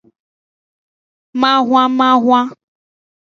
Mahwanmahwan.